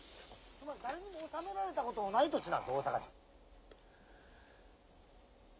つまり、誰にも治められたことのない土地なんです、大阪は。